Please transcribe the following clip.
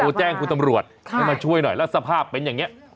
แจ้งคุณตำรวจให้มาช่วยหน่อยแล้วสภาพเป็นอย่างนี้